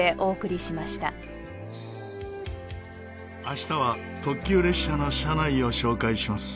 明日は特急列車の車内を紹介します。